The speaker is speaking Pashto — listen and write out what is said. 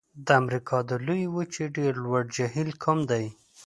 د امریکا د لویې وچې ډېر لوړ جهیل کوم دی؟